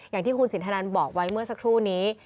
อย่างที่คุณสินทนันบอกไว้เมื่อสักครู่นี้